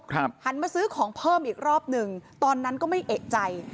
หันมาซื้อของเพิ่มอีกรอบหนึ่งตอนนั้นก็ไม่เอกใจ